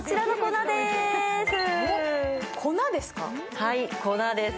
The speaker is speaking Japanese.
はい、粉です。